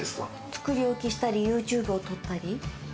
作り置きしたり、ＹｏｕＴｕｂｅ撮ったり。